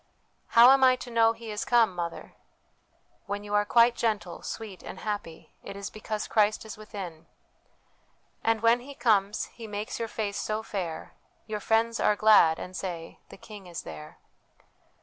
' How am I to know He is come, mother ?'' When you are quite gentle, sweet, and happy, it is because Christ is within, ' "And when He comes, He makes your face so fair, Your friends are glad, and say, ' The King is there.'